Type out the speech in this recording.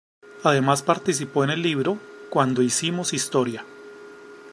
Además, participó en el libro "Cuando hicimos historia.